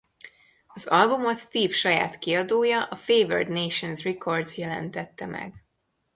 Az albumot Steve saját kiadója a Favored Nations Records jelentette meg.